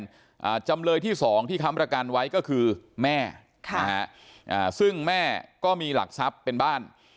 อ่าจำเลยที่สองที่ค้ำประกันไว้ก็คือแม่ค่ะนะฮะอ่าซึ่งแม่ก็มีหลักทรัพย์เป็นบ้าน